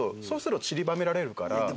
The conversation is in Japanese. そうするとちりばめられるから。